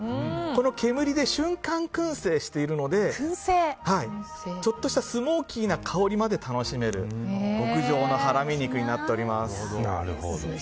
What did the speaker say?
この煙で瞬間燻製しているのでちょっとしたスモーキーな香りまで楽しめる極上のハラミ肉になっております。